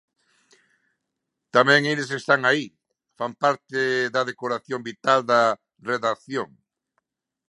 Tamén eles están aí, fan parte da decoración vital da redacción.